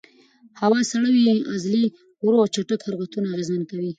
هوا سړه وي، عضلې ورو او چټک حرکتونه اغېزمن کوي.